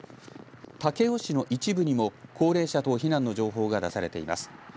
武雄市の一部にも高齢者等避難の情報が出されています。